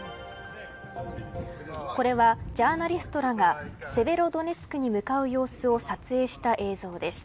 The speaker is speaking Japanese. これは、ジャーナリストらがセベロドネツクに向かう様子を撮影した映像です。